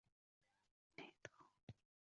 内藤胜介是日本战国时代武将。